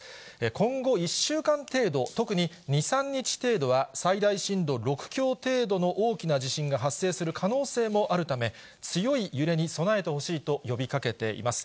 今後１週間程度、特に２、３日程度は、最大震度６強程度の大きな地震が発生する可能性もあるため、強い揺れに備えてほしいと呼びかけています。